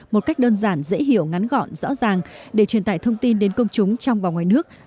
một cách đơn giản dễ hiểu ngắn gọn rõ ràng để truyền tải thông tin đến công chúng trong và ngoài nước